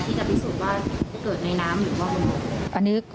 ที่จะพิสูจน์ว่าเกิดในน้ำหรือว่ามัน